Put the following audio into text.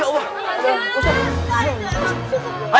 ya allah ustadz